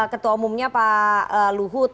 ketua umumnya pak luhut